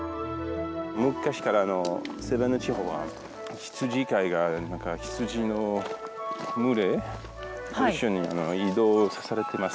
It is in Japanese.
昔からセヴェンヌ地方は羊飼いが羊の群れを一緒に移動されています。